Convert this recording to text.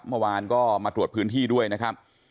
เมื่อวานก็มาตรวจพื้นที่ด้วยนะครับ